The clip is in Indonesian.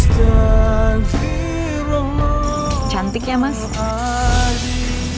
cantik ya mas